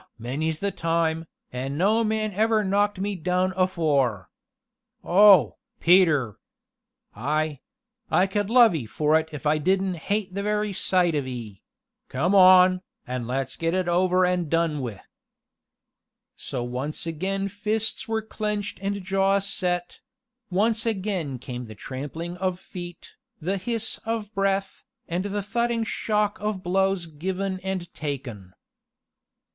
many 's the time, an' no man ever knocked me down afore. Oh, Peter! I I could love 'ee for it if I didn't hate the very sight of 'ee come on, an' let's get it over an' done wi'." So once again fists were clenched and jaws set once again came the trampling of feet, the hiss of breath, and the thudding shock of blows given and taken.